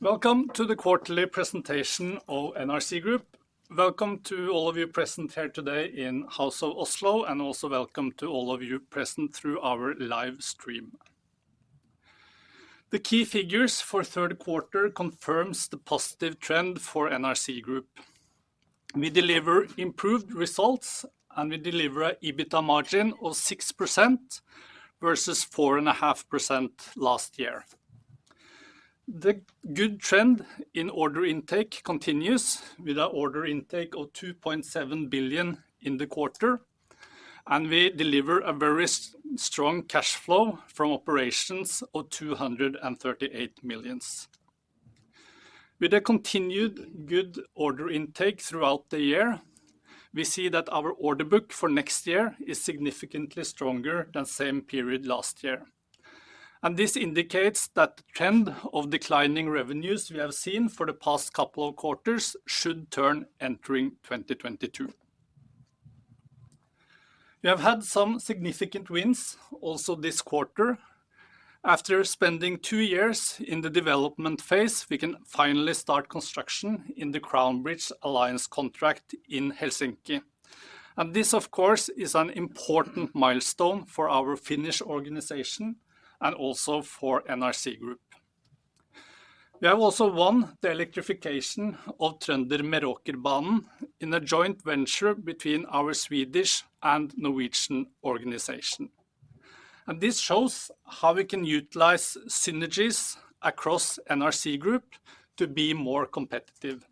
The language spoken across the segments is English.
Welcome to the quarterly presentation of NRC Group. Welcome to all of you present here today in House of Oslo, and also welcome to all of you present through our live stream. The key figures for third quarter confirms the positive trend for NRC Group. We deliver improved results, and we deliver an EBITDA margin of 6% versus 4.5% last year. The good trend in order intake continues with our order intake of 2.7 billion in the quarter, and we deliver a very strong cash flow from operations of 238 million. With a continued good order intake throughout the year, we see that our order book for next year is significantly stronger than same period last year. This indicates that the trend of declining revenues we have seen for the past couple of quarters should turn entering 2022. We have had some significant wins also this quarter. After spending two years in the development phase, we can finally start construction in the Crown Bridges Alliance contract in Helsinki. This, of course, is an important milestone for our Finnish organization and also for NRC Group. We have also won the electrification of Trønder- and Meråkerbanen in a joint venture between our Swedish and Norwegian organization. This shows how we can utilize synergies across NRC Group to be more competitive,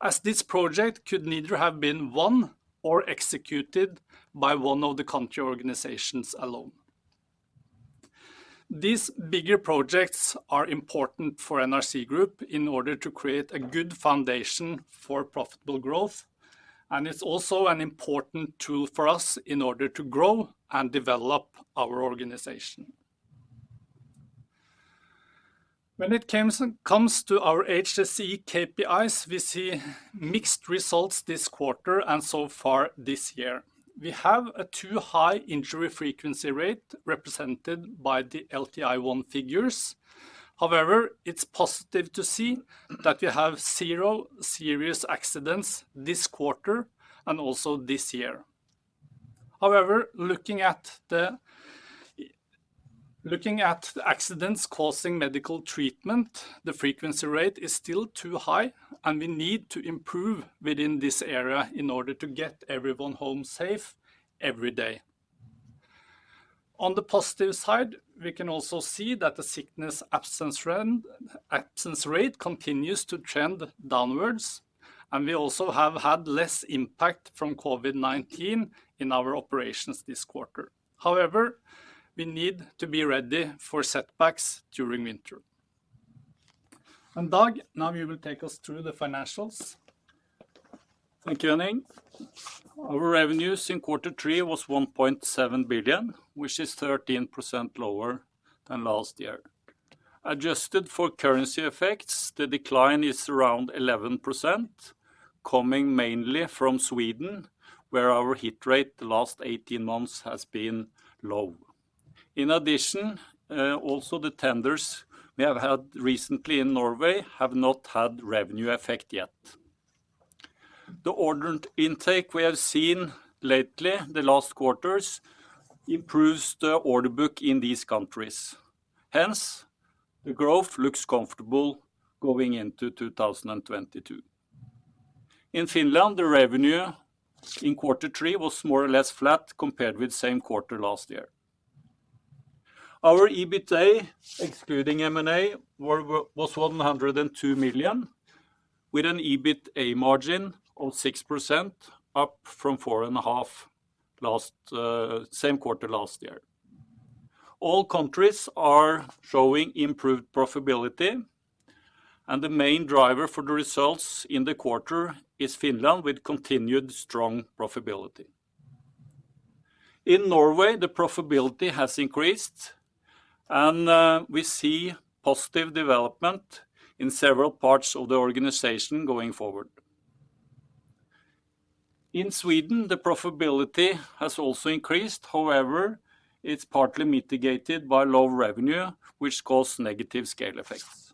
as this project could neither have been won or executed by one of the country organizations alone. These bigger projects are important for NRC Group in order to create a good foundation for profitable growth, and it's also an important tool for us in order to grow and develop our organization. When it comes to our HSE KPIs, we see mixed results this quarter and so far this year. We have a too high injury frequency rate represented by the LTI figures. However, it's positive to see that we have zero serious accidents this quarter and also this year. However, looking at the accidents causing medical treatment, the frequency rate is still too high, and we need to improve within this area in order to get everyone home safe every day. On the positive side, we can also see that the sickness absence trend, absence rate continues to trend downwards, and we also have had less impact from COVID-19 in our operations this quarter. However, we need to be ready for setbacks during winter. Dag, now you will take us through the financials. Thank you, Henning. Our revenues in quarter three was 1.7 billion, which is 13% lower than last year. Adjusted for currency effects, the decline is around 11%, coming mainly from Sweden, where our hit rate the last 18 months has been low. In addition, also the tenders we have had recently in Norway have not had revenue effect yet. The order intake we have seen lately, the last quarters, improves the order book in these countries. Hence, the growth looks comfortable going into 2022. In Finland, the revenue in quarter three was more or less flat compared with same quarter last year. Our EBITA, excluding M&A, was 102 million, with an EBITA margin of 6%, up from 4.5 last same quarter last year. All countries are showing improved profitability, and the main driver for the results in the quarter is Finland, with continued strong profitability. In Norway, the profitability has increased, and we see positive development in several parts of the organization going forward. In Sweden, the profitability has also increased. However, it's partly mitigated by low revenue, which cause negative scale effects.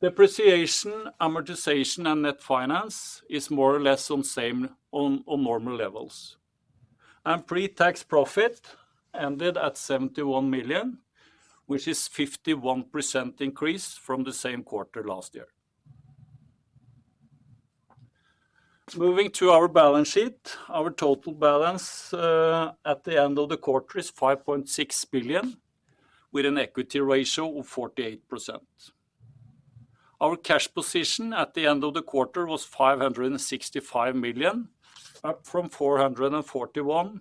Depreciation, amortization, and net finance is more or less the same on normal levels. Pre-tax profit ended at 71 million, which is 51% increase from the same quarter last year. Moving to our balance sheet, our total balance at the end of the quarter is 5.6 billion, with an equity ratio of 48%. Our cash position at the end of the quarter was 565 million, up from 441 million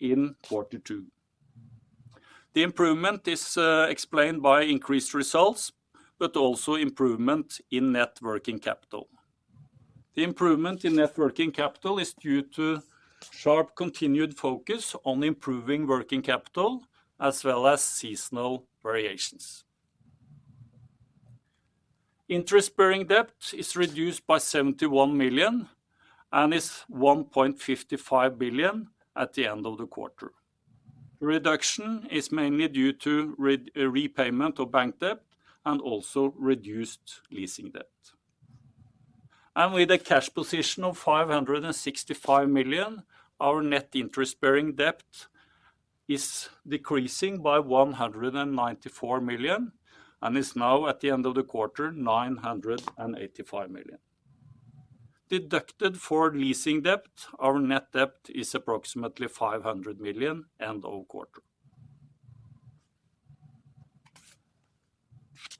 in quarter two. The improvement is explained by increased results but also improvement in net working capital. The improvement in net working capital is due to strong continued focus on improving working capital as well as seasonal variations. Interest-bearing debt is reduced by 71 million and is 1.55 billion at the end of the quarter. Reduction is mainly due to repayment of bank debt and also reduced leasing debt. With a cash position of 565 million, our net interest-bearing debt is decreasing by 194 million, and is now at the end of the quarter, 985 million. Deducted for leasing debt, our net debt is approximately 500 million end of quarter.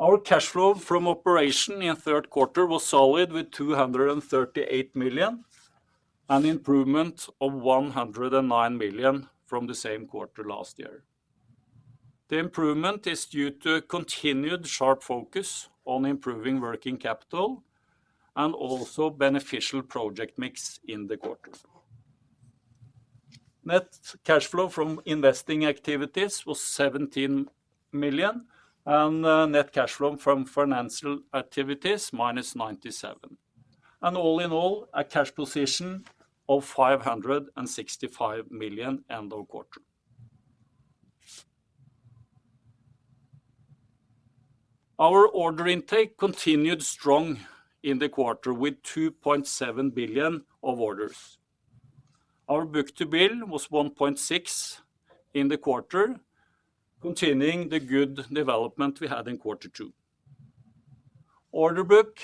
Our cash flow from operations in the third quarter was solid with 238 million, an improvement of 109 million from the same quarter last year. The improvement is due to a continued sharp focus on improving working capital and also beneficial project mix in the quarter. Net cash flow from investing activities was 17 million, and net cash flow from financial activities -97 million. All in all, a cash position of 565 million end of quarter. Our order intake continued strong in the quarter with 2.7 billion of orders. Our book-to-bill was 1.6 in the quarter, continuing the good development we had in quarter two. Order book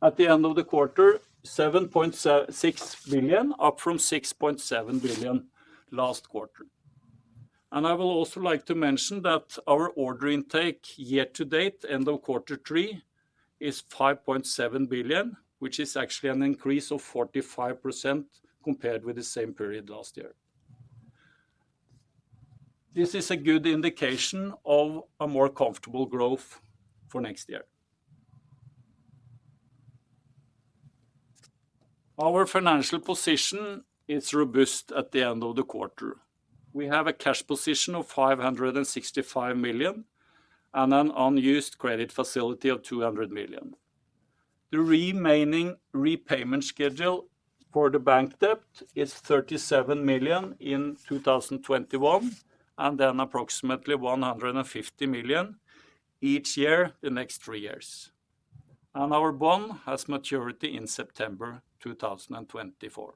at the end of the quarter, 7.6 billion, up from 6.7 billion last quarter. I will also like to mention that our order intake year to date, end of Q3, is 5.7 billion, which is actually a 45% increase compared with the same period last year. This is a good indication of a more comfortable growth for next year. Our financial position is robust at the end of the quarter. We have a cash position of 565 million and an unused credit facility of 200 million. The remaining repayment schedule for the bank debt is 37 million in 2021, and then approximately 150 million each year the next three years. Our bond has maturity in September 2024.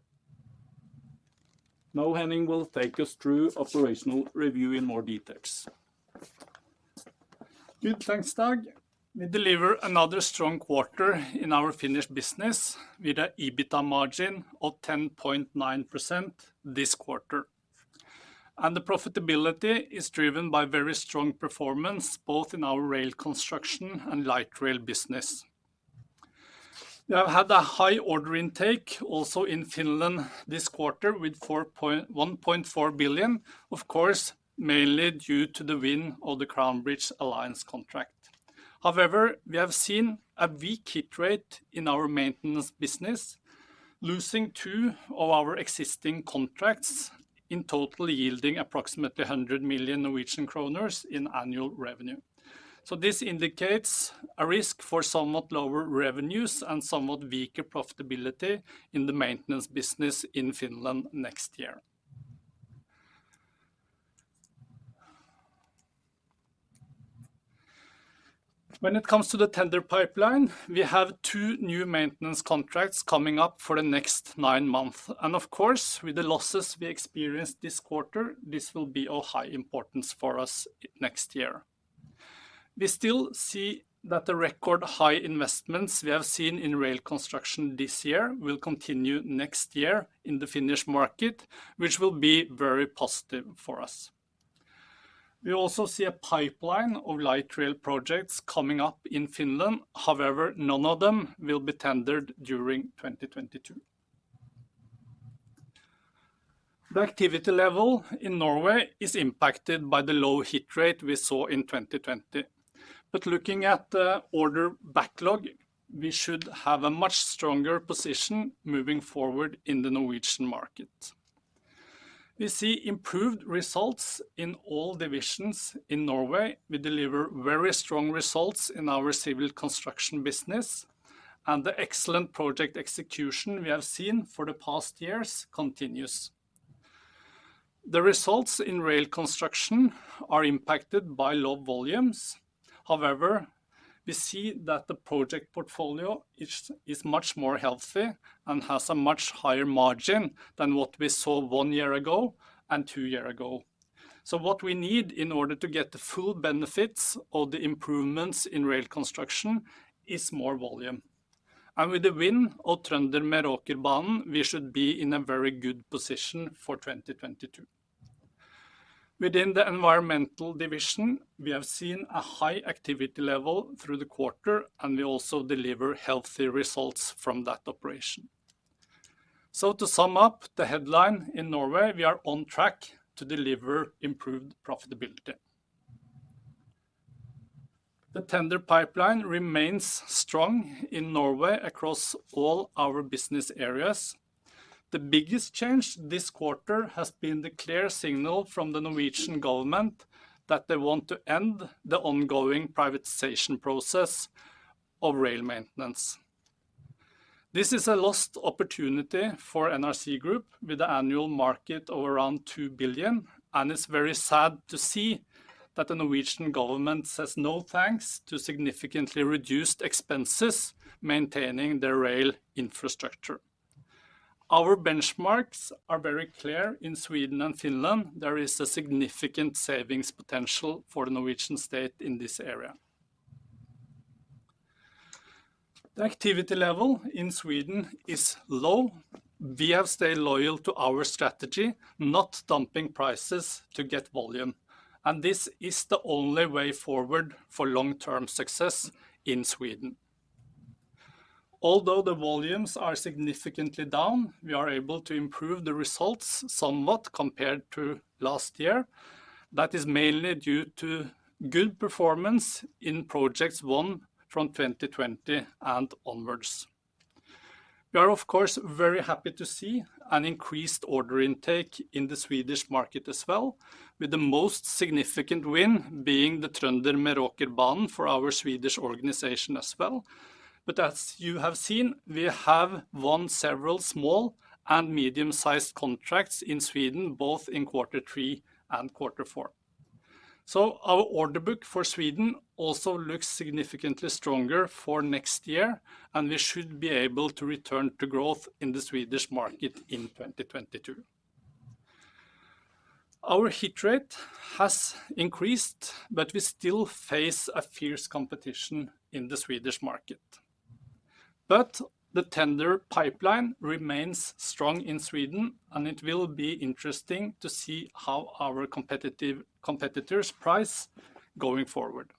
Now Henning will take us through operational review in more details. Good thanks, Dag. We deliver another strong quarter in our Finnish business with an EBITDA margin of 10.9% this quarter. The profitability is driven by very strong performance both in our rail construction and light rail business. We have had a high order intake also in Finland this quarter with 1.4 billion, of course, mainly due to the win of the Crown Bridges Alliance contract. However, we have seen a weak hit rate in our maintenance business, losing two of our existing contracts, in total yielding approximately 100 million Norwegian kroner in annual revenue. This indicates a risk for somewhat lower revenues and somewhat weaker profitability in the maintenance business in Finland next year. When it comes to the tender pipeline, we have two new maintenance contracts coming up for the next nine months, and of course, with the losses we experienced this quarter, this will be of high importance for us next year. We still see that the record high investments we have seen in rail construction this year will continue next year in the Finnish market, which will be very positive for us. We also see a pipeline of light rail projects coming up in Finland. However, none of them will be tendered during 2022. The activity level in Norway is impacted by the low hit rate we saw in 2020. Looking at the order backlog, we should have a much stronger position moving forward in the Norwegian market. We see improved results in all divisions in Norway. We deliver very strong results in our civil construction business, and the excellent project execution we have seen for the past years continues. The results in rail construction are impacted by low volumes. However, we see that the project portfolio is much more healthy and has a much higher margin than what we saw one year ago and two years ago. What we need in order to get the full benefits of the improvements in rail construction is more volume. With the win of Trønder- and Meråkerbanen, we should be in a very good position for 2022. Within the environmental division, we have seen a high activity level through the quarter, and we also deliver healthy results from that operation. To sum up the headline in Norway, we are on track to deliver improved profitability. The tender pipeline remains strong in Norway across all our business areas. The biggest change this quarter has been the clear signal from the Norwegian government that they want to end the ongoing privatization process of rail maintenance. This is a lost opportunity for NRC Group with the annual market of around 2 billion, and it's very sad to see that the Norwegian government says, "No, thanks," to significantly reduced expenses maintaining their rail infrastructure. Our benchmarks are very clear. In Sweden and Finland, there is a significant savings potential for the Norwegian state in this area. The activity level in Sweden is low. We have stayed loyal to our strategy, not dumping prices to get volume, and this is the only way forward for long-term success in Sweden. Although the volumes are significantly down, we are able to improve the results somewhat compared to last year. That is mainly due to good performance in projects won from 2020 and onwards. We are, of course, very happy to see an increased order intake in the Swedish market as well, with the most significant win being the Trønder- and Meråkerbanen for our Swedish organization as well. As you have seen, we have won several small and medium-sized contracts in Sweden, both in quarter three and quarter four. Our order book for Sweden also looks significantly stronger for next year, and we should be able to return to growth in the Swedish market in 2022. Our hit rate has increased, but we still face a fierce competition in the Swedish market. The tender pipeline remains strong in Sweden, and it will be interesting to see how our competitors price going forward.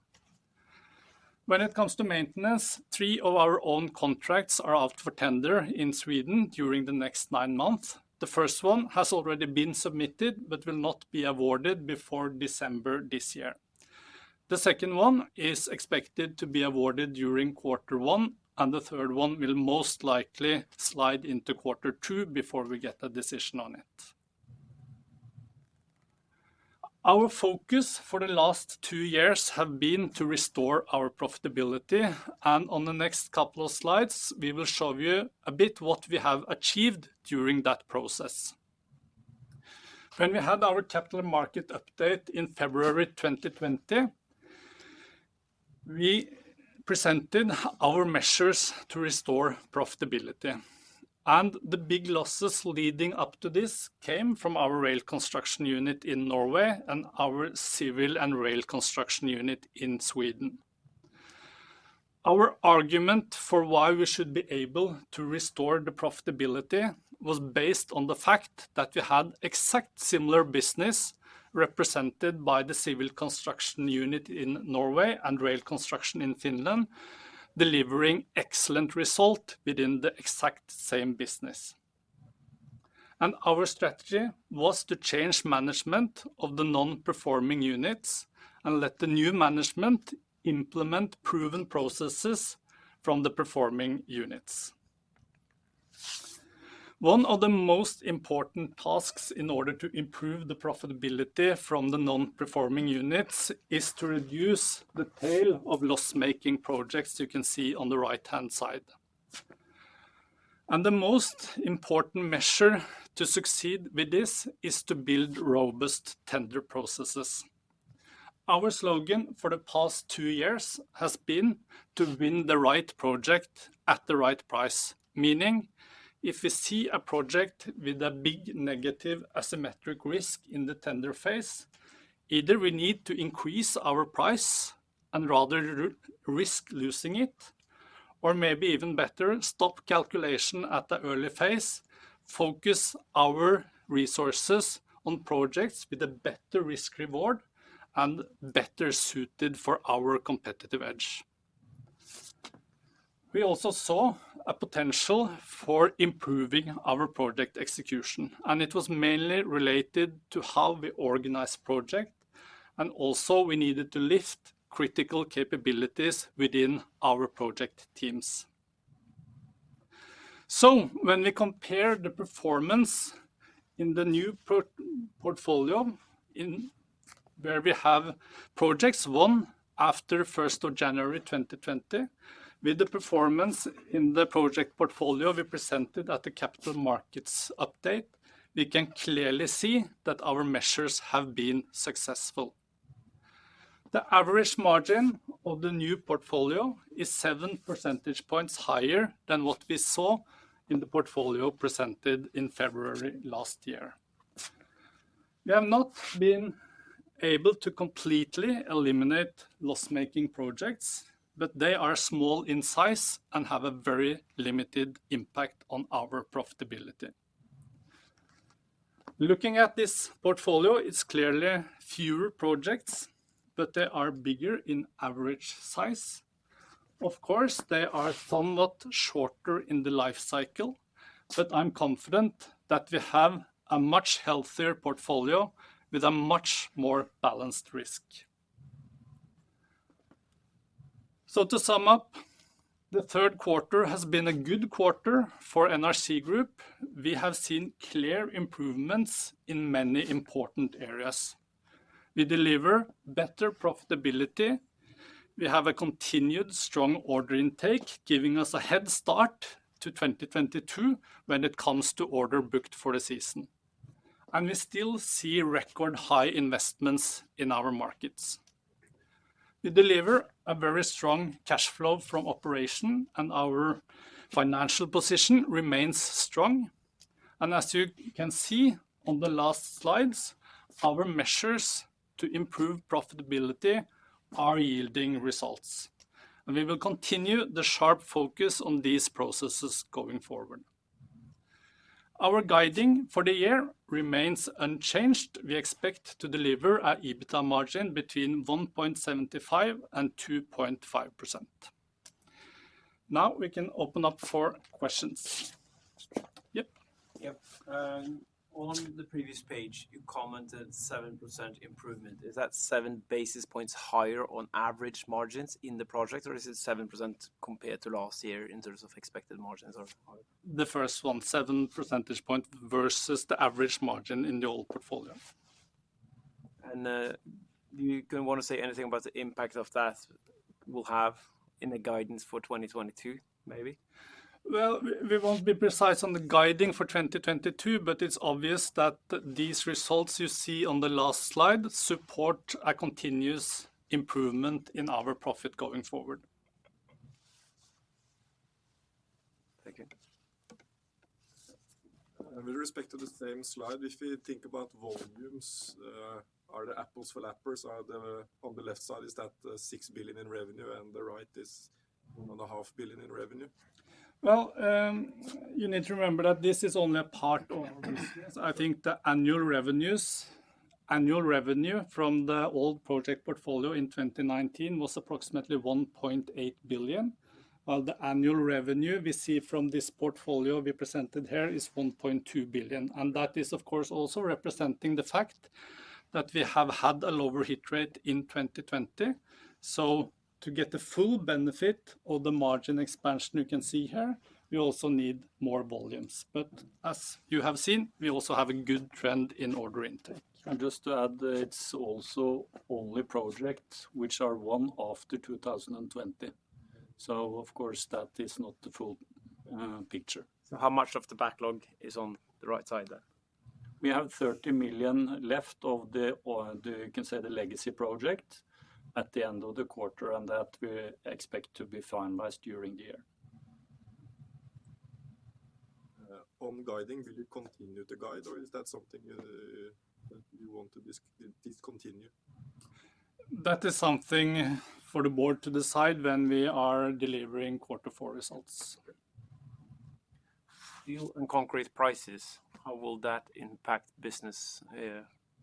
When it comes to maintenance, three of our own contracts are out for tender in Sweden during the next nine months. The first one has already been submitted, but will not be awarded before December this year. The second one is expected to be awarded during quarter one, and the third one will most likely slide into quarter two before we get a decision on it. Our focus for the last two years have been to restore our profitability, and on the next couple of slides, we will show you a bit what we have achieved during that process. When we had our capital market update in February 2020, we presented our measures to restore profitability. The big losses leading up to this came from our rail construction unit in Norway and our civil and rail construction unit in Sweden. Our argument for why we should be able to restore the profitability was based on the fact that we had exact similar business represented by the civil construction unit in Norway and rail construction in Finland, delivering excellent result within the exact same business. Our strategy was to change management of the non-performing units and let the new management implement proven processes from the performing units. One of the most important tasks in order to improve the profitability from the non-performing units is to reduce the tail of loss-making projects you can see on the right-hand side. The most important measure to succeed with this is to build robust tender processes. Our slogan for the past two years has been to win the right project at the right price, meaning if we see a project with a big negative asymmetric risk in the tender phase, either we need to increase our price and rather risk losing it, or maybe even better, stop calculation at the early phase, focus our resources on projects with a better risk reward and better suited for our competitive edge. We also saw a potential for improving our project execution, and it was mainly related to how we organize project, and also we needed to lift critical capabilities within our project teams. When we compare the performance in the new portfolio where we have projects won after January 1, 2020, with the performance in the project portfolio we presented at the capital markets update, we can clearly see that our measures have been successful. The average margin of the new portfolio is seven percentage points higher than what we saw in the portfolio presented in February last year. We have not been able to completely eliminate loss-making projects, but they are small in size and have a very limited impact on our profitability. Looking at this portfolio, it's clearly fewer projects, but they are bigger in average size. Of course, they are somewhat shorter in the life cycle, but I'm confident that we have a much healthier portfolio with a much more balanced risk. To sum up, the third quarter has been a good quarter for NRC Group. We have seen clear improvements in many important areas. We deliver better profitability. We have a continued strong order intake, giving us a head start to 2022 when it comes to order book for the season, and we still see record high investments in our markets. We deliver a very strong cash flow from operations, and our financial position remains strong. As you can see on the last slides, our measures to improve profitability are yielding results, and we will continue the sharp focus on these processes going forward. Our guidance for the year remains unchanged. We expect to deliver an EBITDA margin between 1.75% and 2.5%. Now we can open up for questions. Yep. Yep. On the previous page, you commented 7% improvement. Is that 7 basis points higher on average margins in the project, or is it 7% compared to last year in terms of expected margins or? The first one, seven percentage points versus the average margin in the old portfolio. You gonna want to say anything about the impact of that will have in the guidance for 2022 maybe? Well, we won't be precise on the guidance for 2022, but it's obvious that these results you see on the last slide support a continuous improvement in our profit going forward. Thank you. With respect to the same slide, if you think about volumes, are there apples for apples? On the left side, is that 6 billion in revenue and the right is only a half billion in revenue? Well, you need to remember that this is only a part of the business. I think the annual revenue from the old project portfolio in 2019 was approximately 1.8 billion, while the annual revenue we see from this portfolio we presented here is 1.2 billion, and that is of course also representing the fact that we have had a lower hit rate in 2020. To get the full benefit of the margin expansion you can see here, we also need more volumes. As you have seen, we also have a good trend in order intake. Just to add, it's also only projects which are won after 2020. Of course, that is not the full picture. How much of the backlog is on the right side then? We have 30 million left of the, you can say the legacy project at the end of the quarter, and that we expect to be finalized during the year. On guiding, will you continue to guide or is that something that you want to discontinue? That is something for the board to decide when we are delivering quarter four results. Okay. Steel and concrete prices, how will that impact business,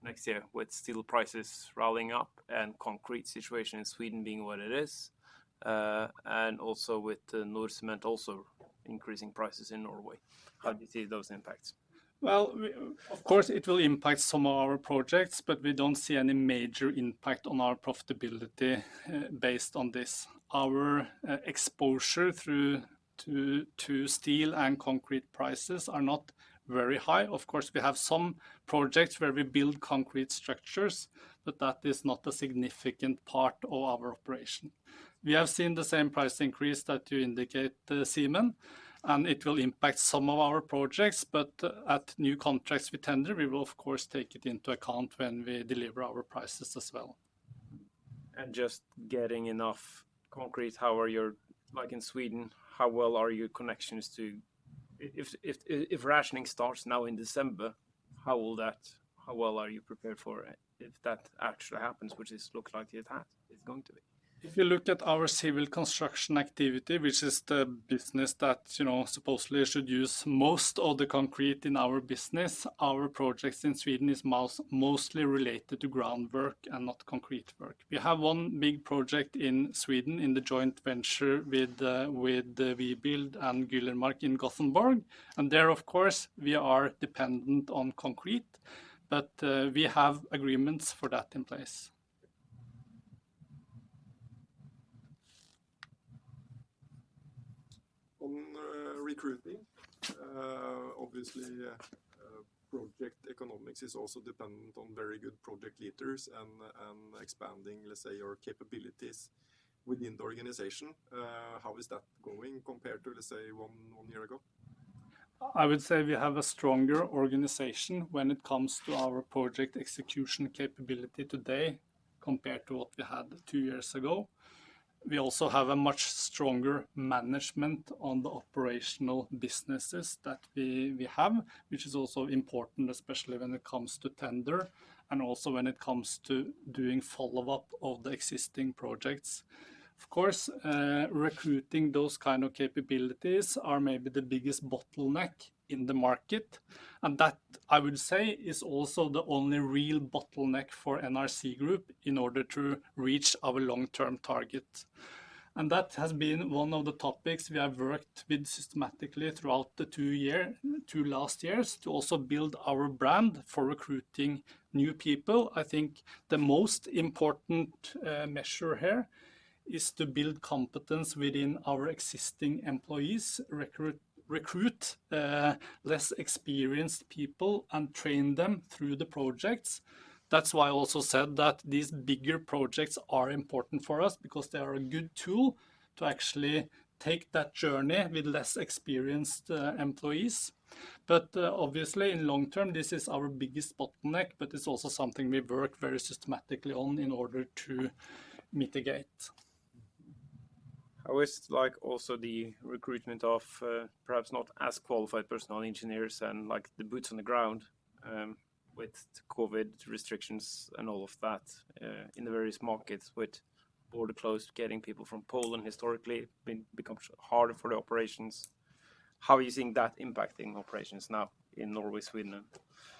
next year with steel prices rolling up and concrete situation in Sweden being what it is, and also with the Norcem also increasing prices in Norway? How do you see those impacts? Well, of course, it will impact some of our projects, but we don't see any major impact on our profitability based on this. Our exposure to steel and concrete prices are not very high. Of course, we have some projects where we build concrete structures, but that is not a significant part of our operation. We have seen the same price increase that you indicate, Simon, and it will impact some of our projects. At new contracts we tender, we will of course take it into account when we deliver our prices as well. Just getting enough concrete, like in Sweden, how well are your connections to. If rationing starts now in December, how will that. How well are you prepared for if that actually happens, which it looks like it's going to be? If you look at our civil construction activity, which is the business that, you know, supposedly should use most of the concrete in our business, our projects in Sweden is mostly related to groundwork and not concrete work. We have one big project in Sweden in the joint venture with Webuild and Gülermak in Gothenburg, and there, of course, we are dependent on concrete. We have agreements for that in place. On recruiting, obviously, project economics is also dependent on very good project leaders and expanding, let's say, your capabilities within the organization. How is that going compared to, let's say, one year ago? I would say we have a stronger organization when it comes to our project execution capability today compared to what we had two years ago. We also have a much stronger management on the operational businesses that we have, which is also important, especially when it comes to tender and also when it comes to doing follow-up of the existing projects. Of course, recruiting those kind of capabilities are maybe the biggest bottleneck in the market, and that, I would say is also the only real bottleneck for NRC Group in order to reach our long-term target. That has been one of the topics we have worked with systematically throughout the two last years to also build our brand for recruiting new people. I think the most important measure here is to build competence within our existing employees, recruit less experienced people and train them through the projects. That's why I also said that these bigger projects are important for us because they are a good tool to actually take that journey with less experienced employees. Obviously, in long term, this is our biggest bottleneck, but it's also something we work very systematically on in order to mitigate. How is, like, also the recruitment of perhaps not as qualified personnel engineers and, like, the boots on the ground, with the COVID-19 restrictions and all of that, in the various markets with borders closed, getting people from Poland becomes harder for the operations. How are you seeing that impacting operations now in Norway, Sweden?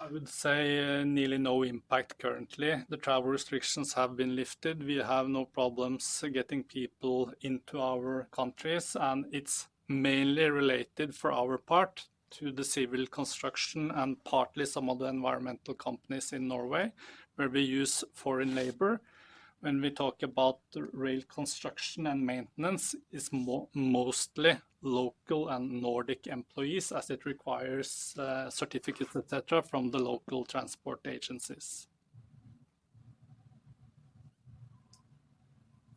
I would say nearly no impact currently. The travel restrictions have been lifted. We have no problems getting people into our countries, and it's mainly related for our part to the civil construction and partly some of the environmental companies in Norway where we use foreign labor. When we talk about rail construction and maintenance, it's mostly local and Nordic employees, as it requires, certificates, et cetera, from the local transport agencies.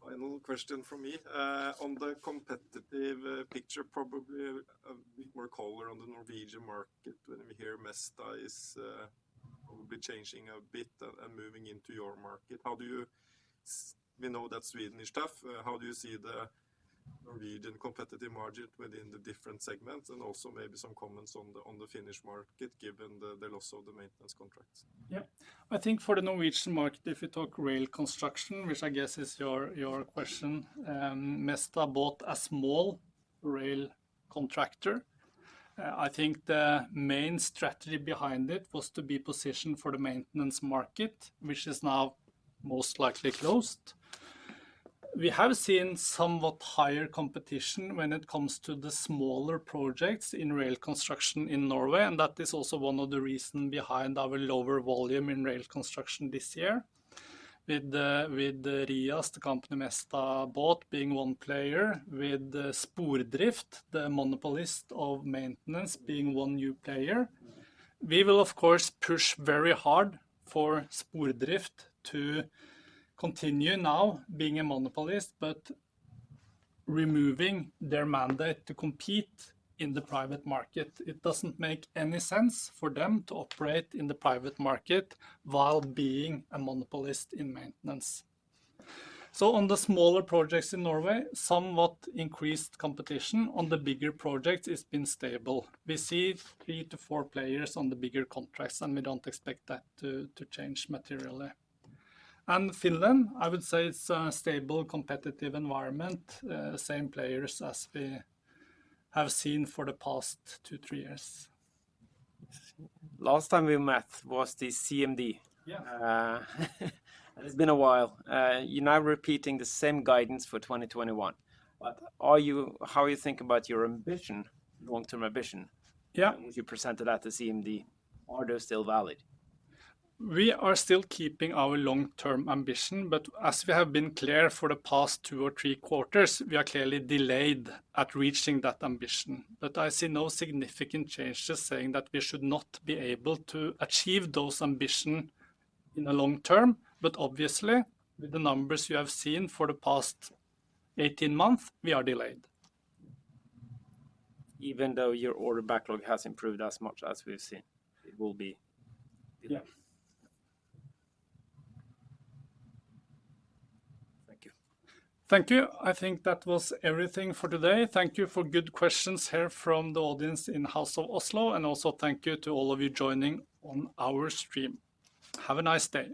Final question from me. On the competitive picture, probably a bit more color on the Norwegian market when we hear Mesta is probably changing a bit and moving into your market. We know that's Swedish stuff. How do you see the Norwegian competitive market within the different segments? Also maybe some comments on the Finnish market, given the loss of the maintenance contracts. Yeah. I think for the Norwegian market, if you talk rail construction, which I guess is your question, Mesta bought a small rail contractor. I think the main strategy behind it was to be positioned for the maintenance market, which is now most likely closed. We have seen somewhat higher competition when it comes to the smaller projects in rail construction in Norway, and that is also one of the reason behind our lower volume in rail construction this year. With the RIAS, the company Mesta bought being one player, with Spordrift, the monopolist of maintenance being one new player. We will of course push very hard for Spordrift to continue now being a monopolist, but removing their mandate to compete in the private market. It doesn't make any sense for them to operate in the private market while being a monopolist in maintenance. On the smaller projects in Norway, somewhat increased competition. On the bigger projects, it's been stable. We see three to four players on the bigger contracts, and we don't expect that to change materially. Finland, I would say it's a stable, competitive environment. Same players as we have seen for the past two, three years. Last time we met was the CMD. Yes. It's been a while. You're now repeating the same guidance for 2021. How you think about your ambition, long-term ambition? Yeah The ones you presented at the CMD, are those still valid? We are still keeping our long-term ambition, but as we have been clear for the past two or three quarters, we are clearly delayed at reaching that ambition. I see no significant change, just saying that we should not be able to achieve those ambition in the long term. Obviously, with the numbers you have seen for the past 18 months, we are delayed. Even though your order backlog has improved as much as we've seen, it will be delayed. Yes. Thank you. Thank you. I think that was everything for today. Thank you for good questions here from the audience in House of Oslo, and also thank you to all of you joining on our stream. Have a nice day.